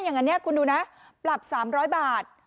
อย่างนี้คุณดูนะปรับ๓๐๐บาท